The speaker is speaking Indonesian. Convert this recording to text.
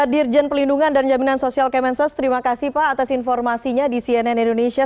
dirjen pelindungan dan jaminan sosial kemensos terima kasih pak atas informasinya di cnn indonesia